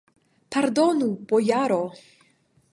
Pardonu, bojaro!